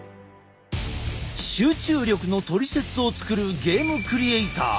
集中力のトリセツを作るゲームクリエーター。